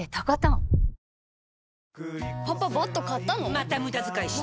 また無駄遣いして！